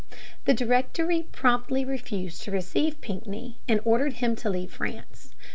The Directory promptly refused to receive Pinckney, and ordered him to leave France.